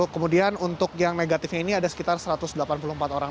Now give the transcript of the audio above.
kemudian untuk yang negatifnya ini ada sekitar satu ratus delapan puluh empat orang